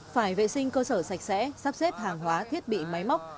phải vệ sinh cơ sở sạch sẽ sắp xếp hàng hóa thiết bị máy móc